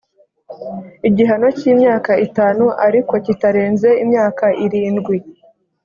igihano cy’imyaka itanu ariko kitarenze imyaka irindwi